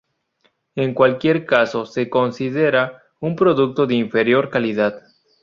En cualquier caso se considera un producto de inferior calidad.